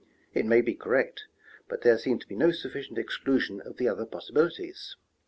It may be correct, but there seems to be no sufficient exclusion of other possibilities.